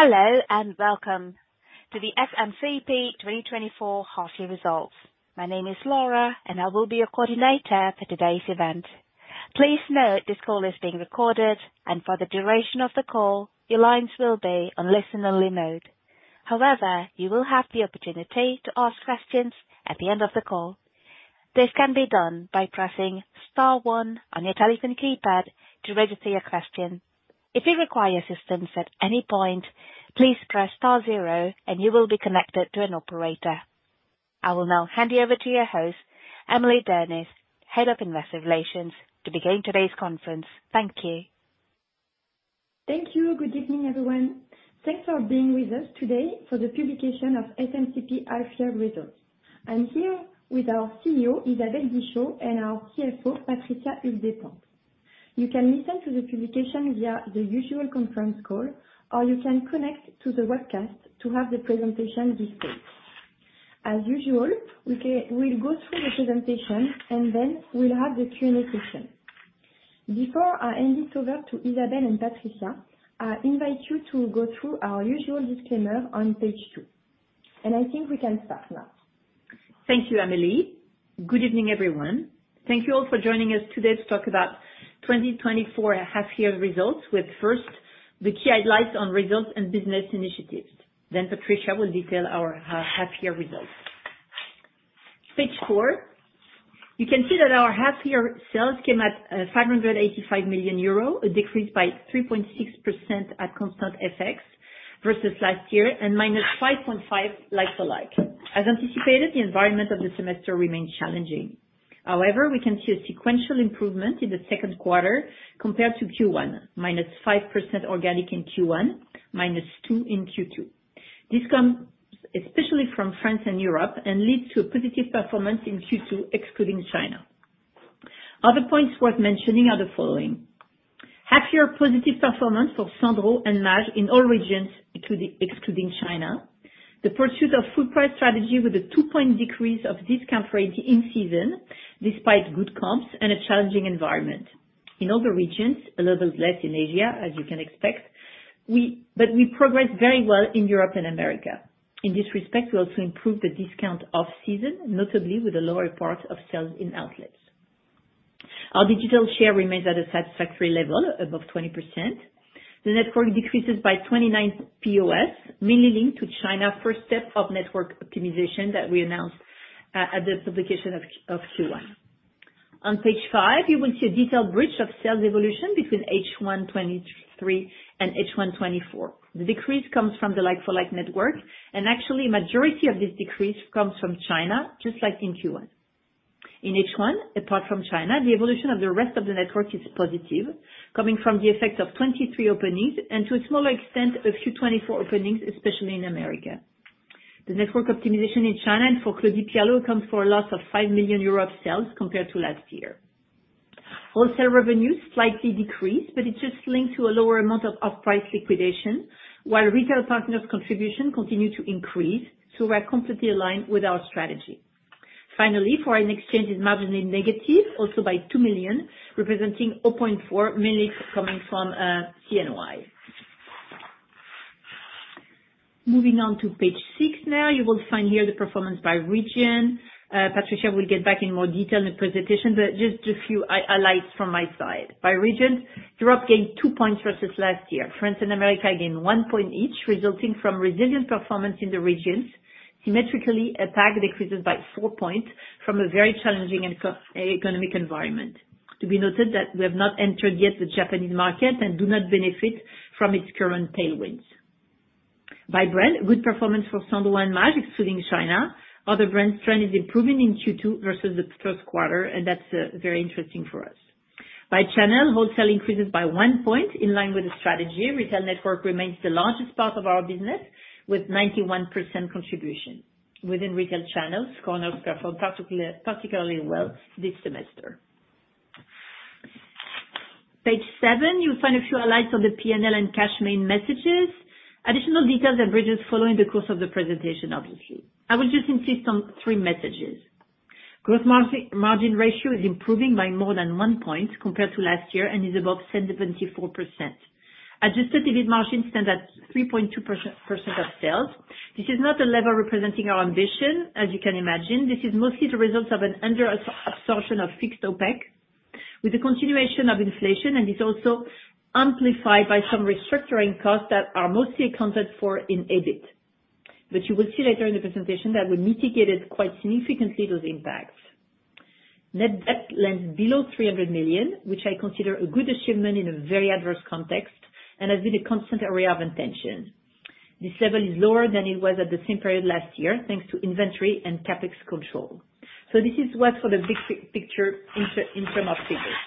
Hello and welcome to the SMCP 2024 half-year results. My name is Laura, and I will be your coordinator for today's event. Please note this call is being recorded, and for the duration of the call, your lines will be on listen-only mode. However, you will have the opportunity to ask questions at the end of the call. This can be done by pressing star one on your telephone keypad to register your question. If you require assistance at any point, please press star zero, and you will be connected to an operator. I will now hand you over to your host, Amélie Dernis, Head of Investor Relations, to begin today's conference. Thank you. Thank you. Good evening, everyone. Thanks for being with us today for the publication of SMCP half-year results. I'm here with our CEO, Isabelle Guichot, and our CFO, Patricia Despointes. You can listen to the publication via the usual conference call, or you can connect to the webcast to have the presentation displayed. As usual, we'll go through the presentation, and then we'll have the Q&A session. Before I hand it over to Isabelle and Patricia, I invite you to go through our usual disclaimer on page two. I think we can start now. Thank you, Amélie. Good evening, everyone. Thank you all for joining us today to talk about 2024 half-year results, with first, the key highlights on results and business initiatives. Then Patricia will detail our half-year results. Page four, you can see that our half-year sales came at 585 million euro, a decrease by 3.6% at constant effects versus last year, and -5.5% like for like. As anticipated, the environment of the semester remains challenging. However, we can see a sequential improvement in the Q2 compared to Q1, -5% organic in Q1, -2% in Q2. This comes especially from France and Europe and leads to a positive performance in Q2, excluding China. Other points worth mentioning are the following: half-year positive performance for Sandro and Maje in all regions, excluding China, the pursuit of full-price strategy with a 2 point decrease of discount rate in season despite good comps and a challenging environment. In all the regions, a little bit less in Asia, as you can expect, but we progressed very well in Europe and America. In this respect, we also improved the discount off-season, notably with a lower part of sales in outlets. Our digital share remains at a satisfactory level, above 20%. The network decreases by 29 POS, mainly linked to China's first step of network optimization that we announced at the publication of Q1. On page 5, you will see a detailed bridge of sales evolution between H1 '23 and H1 '24. The decrease comes from the like-for-like network, and actually, the majority of this decrease comes from China, just like in Q1. In H1, apart from China, the evolution of the rest of the network is positive, coming from the effect of 2023 openings and, to a smaller extent, a few 2024 openings, especially in America. The network optimization in China and for Claudie Pierlot accounts for a loss of 5 million euros of sales compared to last year. Wholesale revenues slightly decreased, but it's just linked to a lower amount of off-price liquidation, while retail partners' contributions continue to increase, so we're completely aligned with our strategy. Finally, foreign exchange is marginally negative, also by 2 million, representing 0.4%, mainly coming from CNY. Moving on to page 6 now, you will find here the performance by region. Patricia will get back in more detail in the presentation, but just a few highlights from my side. By region, Europe gained 2 points versus last year. France and America gained 1 point each, resulting from resilient performance in the regions. Symmetrically, APAC decreases by 4 points from a very challenging economic environment. To be noted that we have not entered yet the Japanese market and do not benefit from its current tailwinds. By brand, good performance for Sandro and Maje, excluding China. Other brands' trend is improving in Q2 versus the Q1, and that's very interesting for us. By channel, wholesale increases by 1 point in line with the strategy. Retail network remains the largest part of our business with 91% contribution. Within retail channels, Cornell's performed particularly well this semester. Page 7, you'll find a few highlights of the P&L and cash main messages. Additional details and bridges follow in the course of the presentation, obviously. I will just insist on three messages. Gross margin ratio is improving by more than one point compared to last year and is above 74%. Adjusted EBIT margin stands at 3.2% of sales. This is not a level representing our ambition, as you can imagine. This is mostly the result of an under-absorption of fixed costs, with the continuation of inflation, and it's also amplified by some restructuring costs that are mostly accounted for in EBIT. But you will see later in the presentation that we mitigated quite significantly those impacts. Net debt lands below 300 million, which I consider a good achievement in a very adverse context and has been a constant area of attention. This level is lower than it was at the same period last year, thanks to inventory and CapEx control. So this is what for the big picture in terms of figures.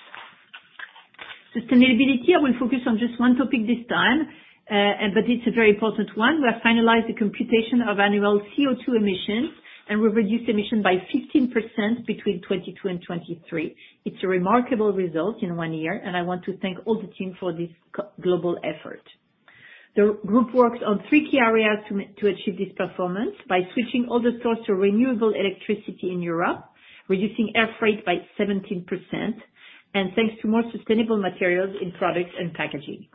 Sustainability, I will focus on just one topic this time, but it's a very important one. We have finalized the computation of annual CO2 emissions, and we've reduced emission by 15% between 2022 and 2023. It's a remarkable result in one year, and I want to thank all the team for this global effort. The group works on three key areas to achieve this performance by switching all the source to renewable electricity in Europe, reducing air freight by 17%, and thanks to more sustainable materials in products and packaging.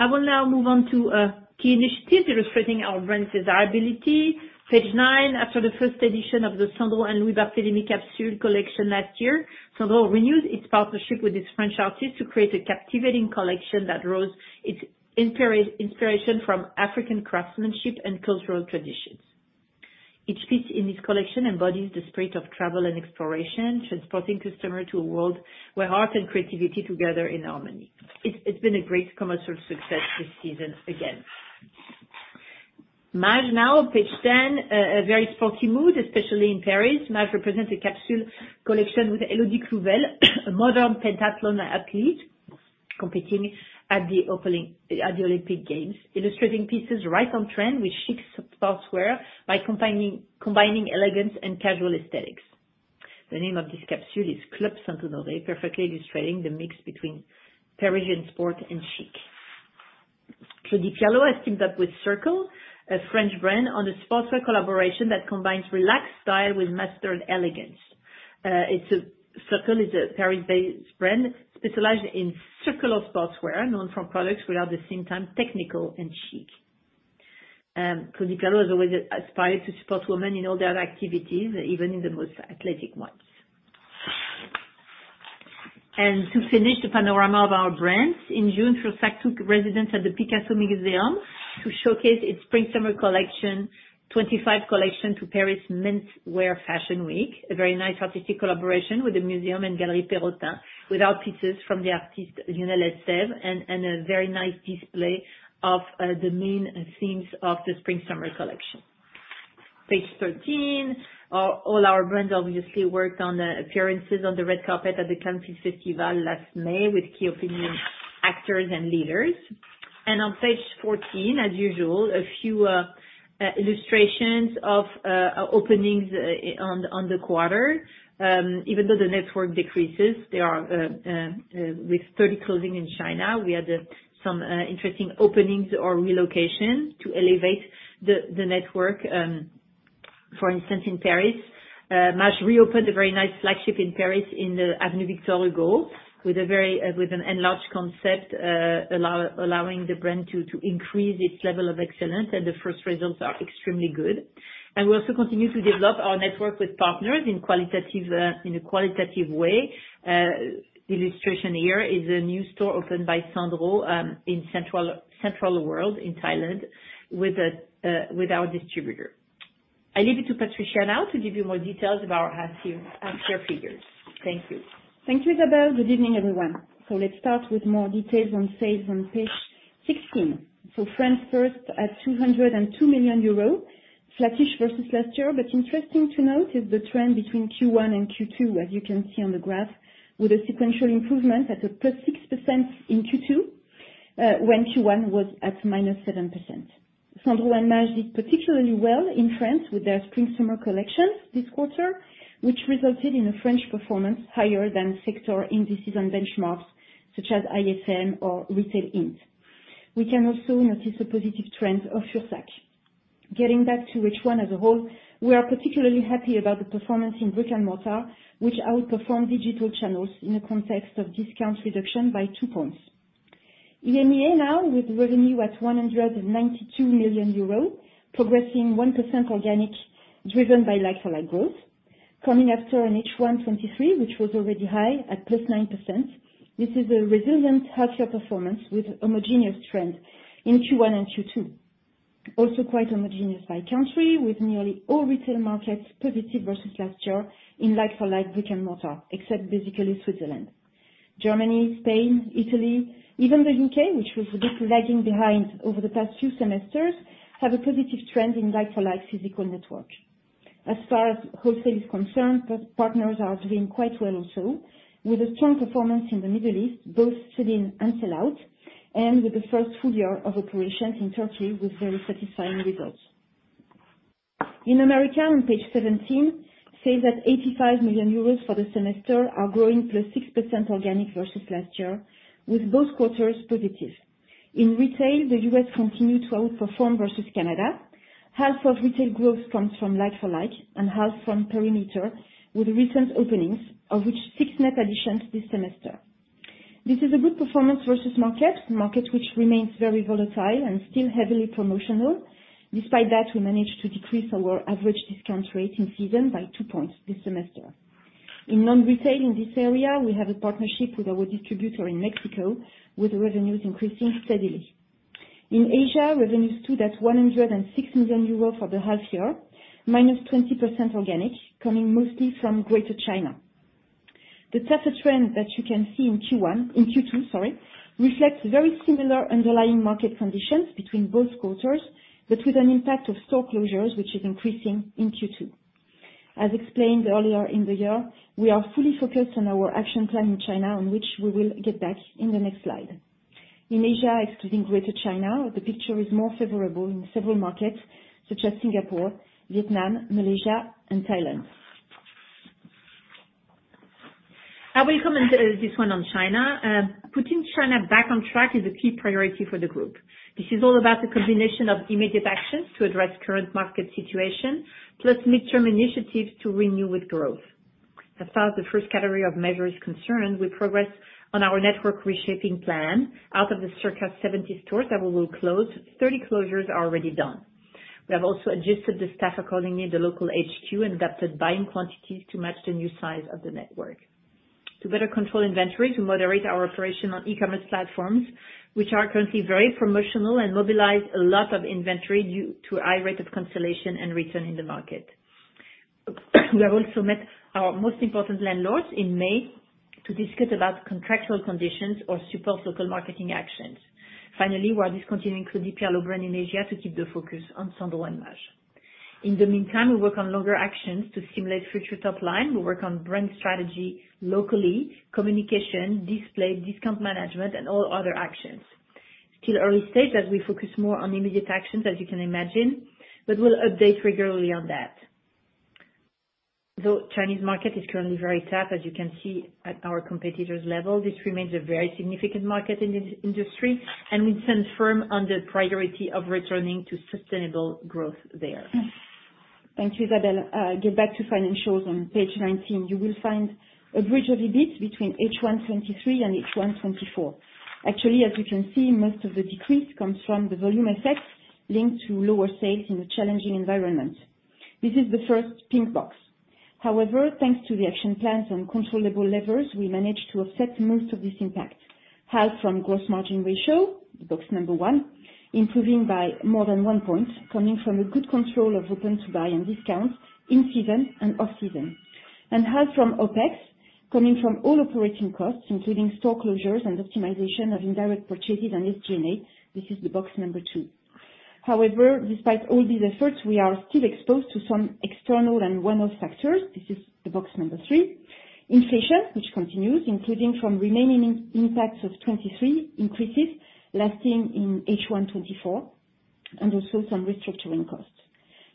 I will now move on to key initiatives illustrating our brand's desirability. Page nine, after the first edition of the Sandro andLouis Barthélemy capsule collection last year, Sandro renewed its partnership with this French artist to create a captivating collection that draws its inspiration from African craftsmanship and cultural traditions. Each piece in this collection embodies the spirit of travel and exploration, transporting customers to a world where art and creativity together in harmony. It's been a great commercial success this season again. Maje now, page 10, a very sporty mood, especially in Paris. Maje represents a capsule collection with Élodie Clouvel, a modern pentathlon athlete competing at the Olympic Games, illustrating pieces right on trend with chic sportswear by combining elegance and casual aesthetics. The name of this capsule is Club Saint Honoré, perfectly illustrating the mix between Parisian sport and chic. Claudie Pierlot has teamed up with Circle, a French brand on a sportswear collaboration that combines relaxed style with mastered elegance. Circle is a Paris-based brand specialized in circular sportswear, known for products which are at the same time technical and chic. Claudie Pierlot has always aspired to support women in all their activities, even in the most athletic ones. To finish the panorama of our brands, in June, Fursac took residence at the Picasso Museum to showcase its Spring-Summer Collection 25 collection to Paris Men's Wear Fashion Week, a very nice artistic collaboration with the museum and Galerie Perrotin with our pieces from the artist Lionel Estève, and a very nice display of the main themes of the Spring-Summer Collection. Page 13, all our brands obviously worked on appearances on the red carpet at the Cannes Film Festival last May with key opinion actors and leaders. On page 14, as usual, a few illustrations of openings on the quarter. Even though the network decreases, with 30 closing in China, we had some interesting openings or relocations to elevate the network. For instance, in Paris, Maje reopened a very nice flagship in Paris in the Avenue Victor Hugo with an enlarged concept allowing the brand to increase its level of excellence, and the first results are extremely good. We also continue to develop our network with partners in a qualitative way. Illustration here is a new store opened by Sandro in Central World in Thailand with our distributor. I leave it to Patricia now to give you more details about our half-year figures. Thank you. Thank you, Isabelle. Good evening, everyone. Let's start with more details on sales on page 16. France first at 202 million euros, flattish versus last year, but interesting to note is the trend between Q1 and Q2, as you can see on the graph, with a sequential improvement at +6% in Q2 when Q1 was at -7%. Sandro and Maje did particularly well in France with their Spring-Summer Collection this quarter, which resulted in a French performance higher than sector indices and benchmarks such as IFM or Retail Int. We can also notice a positive trend of Fursac. Getting back to H1 as a whole, we are particularly happy about the performance in brick-and-mortar, which outperformed digital channels in the context of discount reduction by 2 points. EMEA now with revenue at 192 million euros, progressing 1% organic driven by like-for-like growth, coming after an H1 '23, which was already high at +9%. This is a resilient half-year performance with homogeneous trend in Q1 and Q2. Also quite homogeneous by country, with nearly all retail markets positive versus last year in like-for-like brick and mortar, except basically Switzerland. Germany, Spain, Italy, even the U.K., which was a bit lagging behind over the past few semesters, have a positive trend in like-for-like physical network. As far as wholesale is concerned, partners are doing quite well also, with a strong performance in the Middle East, both sell-in and sell-out, and with the first full year of operations in Turkey with very satisfying results. In America, on page 17, sales at 85 million euros for the semester are growing +6% organic versus last year, with both quarters positive. In retail, the U.S. continued to outperform versus Canada. Half of retail growth comes from like-for-like and half from perimeter, with recent openings, of which 6 net additions this semester. This is a good performance versus market, market which remains very volatile and still heavily promotional. Despite that, we managed to decrease our average discount rate in season by 2 points this semester. In non-retail in this area, we have a partnership with our distributor in Mexico, with revenues increasing steadily. In Asia, revenues stood at 106 million euros for the half year, -20% organic, coming mostly from Greater China. The tougher trend that you can see in Q2 reflects very similar underlying market conditions between both quarters, but with an impact of store closures, which is increasing in Q2. As explained earlier in the year, we are fully focused on our action plan in China, on which we will get back in the next slide. In Asia, excluding Greater China, the picture is more favorable in several markets such as Singapore, Vietnam, Malaysia, and Thailand. I will comment on this one on China. Putting China back on track is a key priority for the group. This is all about the combination of immediate actions to address current market situation, plus midterm initiatives to renew with growth. As far as the first category of measures is concerned, we progressed on our network reshaping plan out of the circa 70 stores that we will close. 30 closures are already done. We have also adjusted the staff accordingly in the local HQ and adapted buying quantities to match the new size of the network. To better control inventories, we moderate our operation on e-commerce platforms, which are currently very promotional and mobilize a lot of inventory due to a high rate of consolidation and return in the market. We have also met our most important landlords in May to discuss about contractual conditions or support local marketing actions. Finally, we are discontinuing Claudie Pierlot brand in Asia to keep the focus on Sandro and Maje. In the meantime, we work on longer actions to stimulate future top line. We work on brand strategy locally, communication, display, discount management, and all other actions. Still early stage as we focus more on immediate actions, as you can imagine, but we'll update regularly on that. The Chinese market is currently very tough, as you can see at our competitors' level. This remains a very significant market in this industry, and we stand firm on the priority of returning to sustainable growth there. Thank you, Isabelle. Get back to financials on page 19. You will find a bridge of EBIT between H1 '23 and H1 '24. Actually, as you can see, most of the decrease comes from the volume effects linked to lower sales in a challenging environment. This is the first pink box. However, thanks to the action plans and controllable levers, we managed to offset most of this impact, half from gross margin ratio, box number one, improving by more than one point, coming from a good control of open-to-buy and discounts in season and off-season. And half from OpEx, coming from all operating costs, including store closures and optimization of indirect purchases and SG&A. This is the box number two. However, despite all these efforts, we are still exposed to some external and one-off factors. This is the box number 3. Inflation, which continues, including from remaining impacts of 2023, increases lasting in H1 2024, and also some restructuring costs.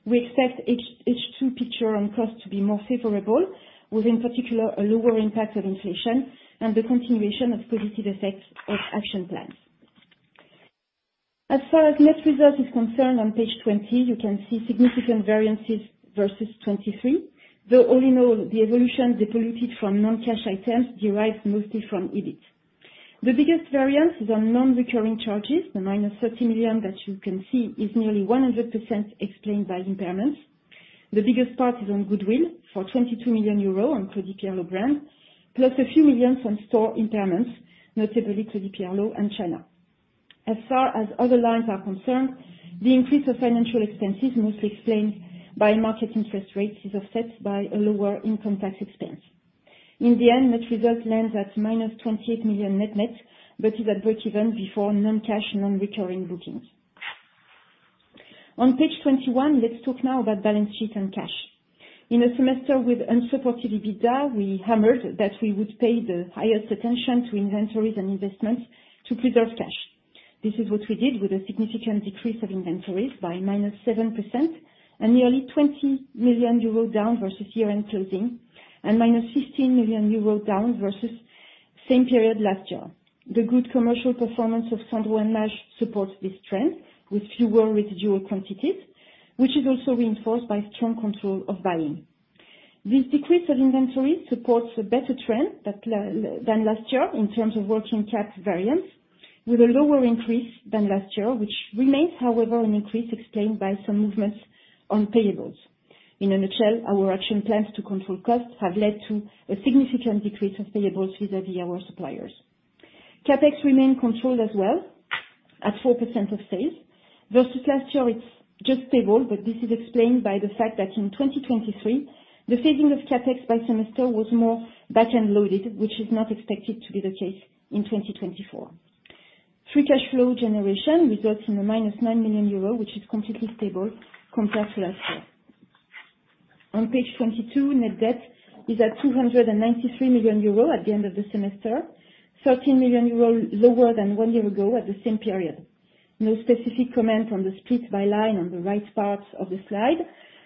We expect H2 picture on cost to be more favorable, with in particular a lower impact of inflation and the continuation of positive effects of action plans. As far as net results is concerned, on page 20, you can see significant variances versus 2023. Though all in all, the evolution depleted from non-cash items derives mostly from EBIT. The biggest variance is on non-recurring charges. The -30 million that you can see is nearly 100% explained by impairments. The biggest part is on goodwill for 22 million euro on Claudie Pierlot brand, plus a few millions on store impairments, notably Claudie Pierlot and China. As far as other lines are concerned, the increase of financial expenses, mostly explained by market interest rates, is offset by a lower income tax expense. In the end, net result lands at -28 million net-net, but is at break-even before non-cash, non-recurring bookings. On page 21, let's talk now about balance sheet and cash. In a semester with unsupported EBITDA, we hammered that we would pay the highest attention to inventories and investments to preserve cash. This is what we did with a significant decrease of inventories by -7% and nearly 20 million euro down versus year-end closing and -15 million euro down versus same period last year. The good commercial performance of Sandro and Maje supports this trend with fewer residual quantities, which is also reinforced by strong control of buying. This decrease of inventory supports a better trend than last year in terms of working cap variance, with a lower increase than last year, which remains, however, an increase explained by some movements on payables. In a nutshell, our action plans to control costs have led to a significant decrease of payables vis-à-vis our suppliers. CapEx remained controlled as well at 4% of sales versus last year. It's just stable, but this is explained by the fact that in 2023, the phasing of CapEx by semester was more back-end loaded, which is not expected to be the case in 2024. Free cash flow generation results in -9 million euro, which is completely stable compared to last year. On page 22, net debt is at 293 million euro at the end of the semester, 13 million euro lower than one year ago at the same period. No specific comment on the split by line on the right part of the slide.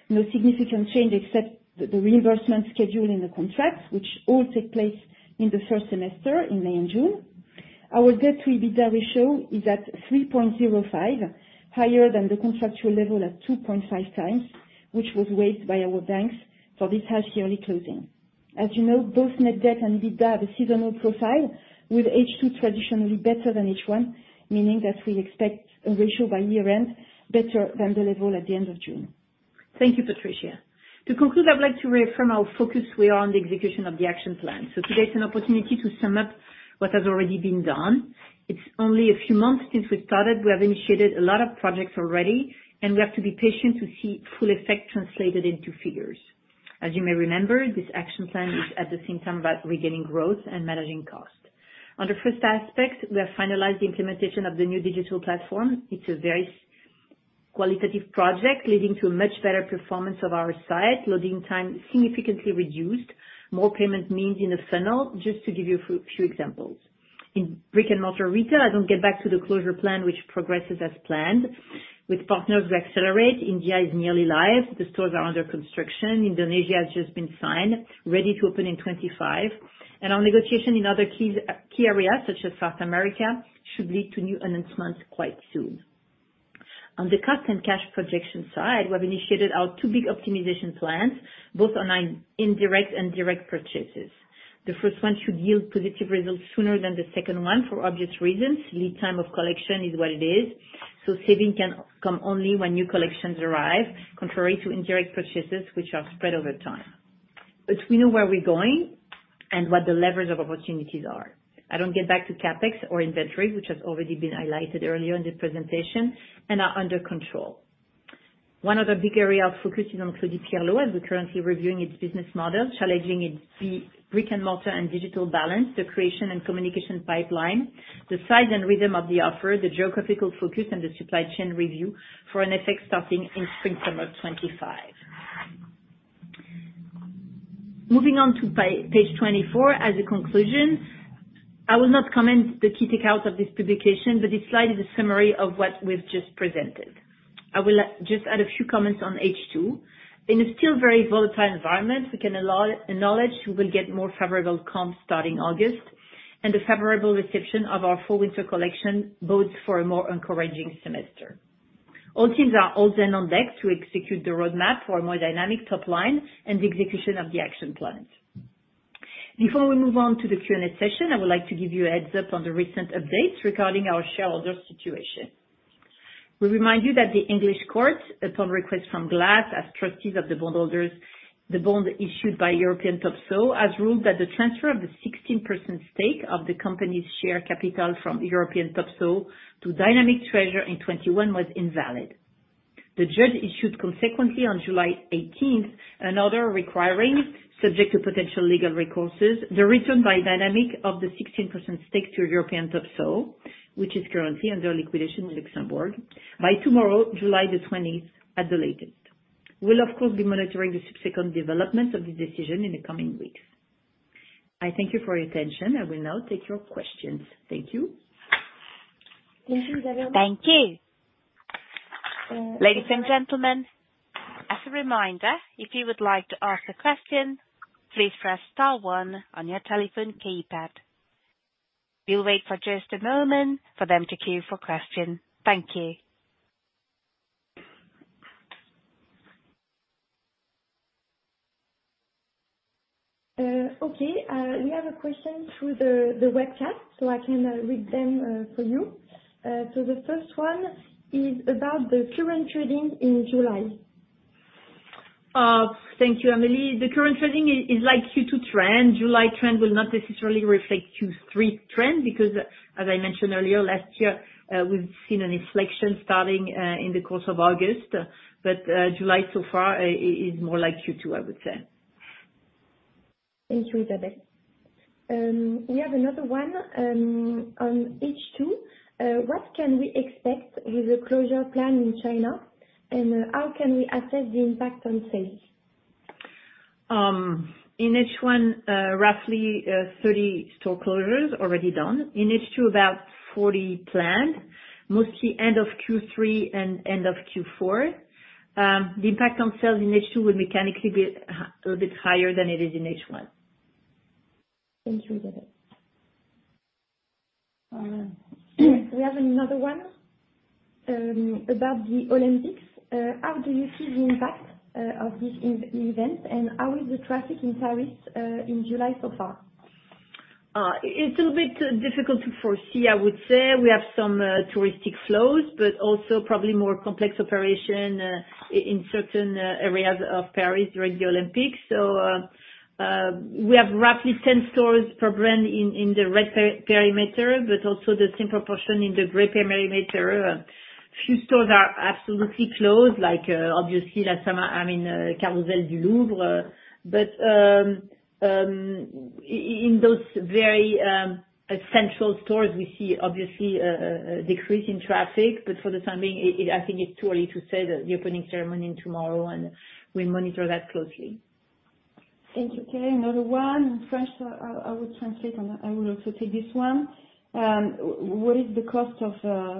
No significant change except the reimbursement schedule in the contracts, which all take place in the first semester in May and June. Our debt to EBITDA ratio is at 3.05, higher than the contractual level at 2.5x, which was waived by our banks for this half-yearly closing. As you know, both net debt and EBITDA have a seasonal profile, with H2 traditionally better than H1, meaning that we expect a ratio by year-end better than the level at the end of June. Thank you, Patricia. To conclude, I'd like to reaffirm how focused we are on the execution of the action plan. So today is an opportunity to sum up what has already been done. It's only a few months since we started. We have initiated a lot of projects already, and we have to be patient to see full effect translated into figures. As you may remember, this action plan is at the same time about regaining growth and managing cost. On the first aspect, we have finalized the implementation of the new digital platform. It's a very qualitative project leading to a much better performance of our site, loading time significantly reduced, more payment means in the funnel, just to give you a few examples. In brick-and-mortar retail, I don't get back to the closure plan, which progresses as planned. With partners who accelerate, India is nearly live. The stores are under construction. Indonesia has just been signed, ready to open in 2025. Our negotiation in other key areas, such as South America, should lead to new announcements quite soon. On the cost and cash projection side, we have initiated our two big optimization plans, both on indirect and direct purchases. The first one should yield positive results sooner than the second one for obvious reasons. Lead time of collection is what it is. So saving can come only when new collections arrive, contrary to indirect purchases, which are spread over time. But we know where we're going and what the levers of opportunities are. I don't get back to CapEx or inventory, which has already been highlighted earlier in the presentation, and are under control. One other big area of focus is on Claudie Pierlot, as we're currently reviewing its business model, challenging its brick-and-mortar and digital balance, the creation and communication pipeline, the size and rhythm of the offer, the geographical focus, and the supply chain review for an effect starting in Spring-Summer 2025. Moving on to page 24, as a conclusion, I will not comment on the key takeouts of this publication, but this slide is a summary of what we've just presented. I will just add a few comments on H2. In a still very volatile environment, we can acknowledge we will get more favorable comps starting August, and the favorable reception of our fall-winter collection bodes for a more encouraging semester. All teams are all hands on deck to execute the roadmap for a more dynamic top line and the execution of the action plans. Before we move on to the Q&A session, I would like to give you a heads-up on the recent updates regarding our shareholder situation. We remind you that the English court, upon request from GLAS, as trustees of the bondholders, the bond issued by European TopSoho has ruled that the transfer of the 16% stake of the company's share capital from European TopSoho to Dynamic Treasure in 2021 was invalid. The judge issued consequently on July 18th an order requiring, subject to potential legal recourse, the return by Dynamic of the 16% stake to European TopSoho, which is currently under liquidation in Luxembourg, by tomorrow, July the 20th, at the latest. We'll, of course, be monitoring the subsequent developments of the decision in the coming weeks. I thank you for your attention. I will now take your questions. Thank you. Thank you. Ladies and gentlemen, as a reminder, if you would like to ask a question, please press star one on your telephone keypad. We'll wait for just a moment for them to queue for questions. Thank you. Okay. We have a question through the webcast, so I can read them for you. The first one is about the current trading in July. Thank you, Amélie. The current trading is like Q2 trend. July trend will not necessarily reflect Q3 trend because, as I mentioned earlier, last year, we've seen an inflection starting in the course of August. But July so far is more like Q2, I would say. Thank you, Isabelle. We have another one on H2. What can we expect with the closure plan in China, and how can we assess the impact on sales? In H1, roughly 30 store closures already done. In H2, about 40 planned, mostly end of Q3 and end of Q4. The impact on sales in H2 will mechanically be a little bit higher than it is in H1. Thank you, Isabelle. We have another one about the Olympics. How do you see the impact of this event, and how is the traffic in Paris in July so far? It's a little bit difficult to foresee, I would say. We have some touristic flows, but also probably more complex operation in certain areas of Paris during the Olympics. So we have roughly 10 stores per brand in the red perimeter, but also the same proportion in the gray perimeter. Few stores are absolutely closed, like obviously La Samaritaine Carrousel du Louvre. But in those very central stores, we see obviously a decrease in traffic. But for the time being, I think it's too early to say that the opening ceremony is tomorrow, and we monitor that closely. Thank you. Okay. Another one. In French, I will translate on that. I will also take this one. What is the cost of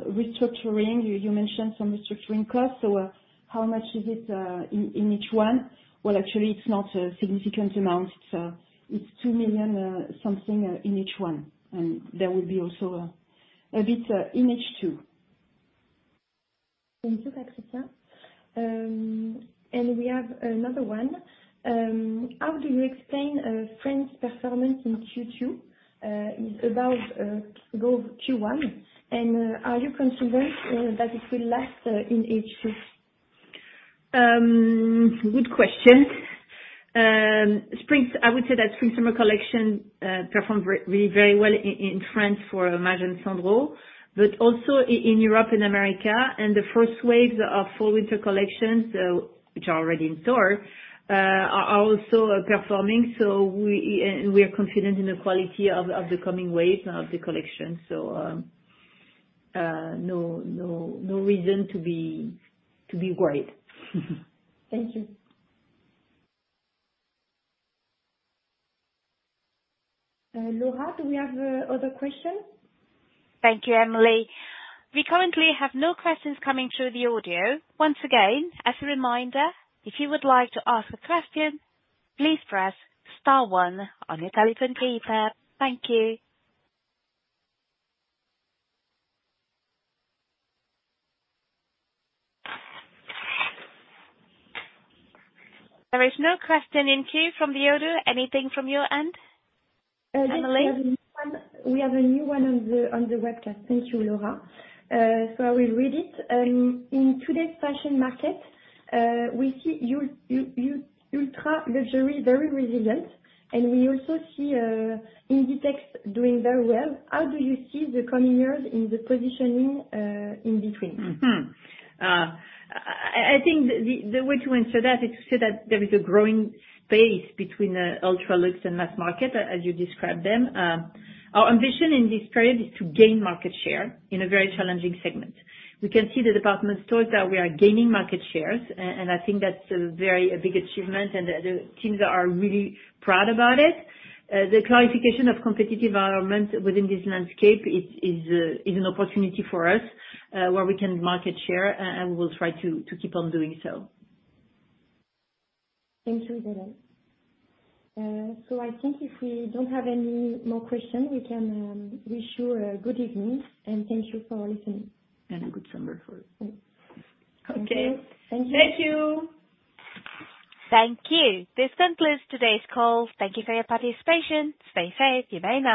restructuring? You mentioned some restructuring costs. So how much is it in each one? Well, actually, it's not a significant amount. It's 2 million something in each one. And there will be also a bit in H2. Thank you, Patricia. And we have another one. How do you explain France's performance in Q2? It's about double Q1. And are you convinced that it will last in H2? Good question. I would say that Spring-Summer collection performed very well in France for Maje and Sandro, but also in Europe and America. The first waves of fall-winter collections, which are already in store, are also performing. So we are confident in the quality of the coming waves of the collection. No reason to be worried. Thank you. Laura, do we have other questions? Thank you, Amélie. We currently have no questions coming through the audio. Once again, as a reminder, if you would like to ask a question, please press star one on your telephone keypad. Thank you. There is no question in queue from the audio. Anything from your end? Amélie? We have a new one on the webcast. Thank you, Laura. So I will read it. In today's fashion market, we see ultra-luxury, very resilient, and we also see Inditex doing very well. How do you see the coming years in the positioning in between? I think the way to answer that is to say that there is a growing space between ultra-luxe and mass market, as you described them. Our ambition in this period is to gain market share in a very challenging segment. We can see the department stores that we are gaining market shares, and I think that's a very big achievement, and the teams are really proud about it. The clarification of competitive environment within this landscape is an opportunity for us where we can market share, and we will try to keep on doing so. Thank you, Isabelle. So I think if we don't have any more questions, we can wish you a good evening, and thank you for listening. A good summer for you. Okay. Thank you. Thank you. Thank you. This concludes today's call. Thank you for your participation. Stay safe. You may now...